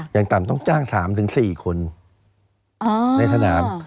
อย่างต่ำต้องจ้าง๓๔คนในสนาม